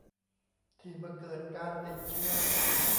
ที่เมื่อเกิดการติดเชื้อ